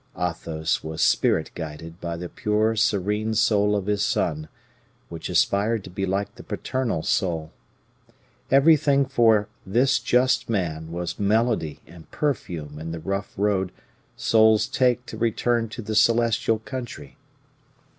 Athos was spirit guided by the pure serene soul of his son, which aspired to be like the paternal soul. Everything for this just man was melody and perfume in the rough road souls take to return to the celestial country.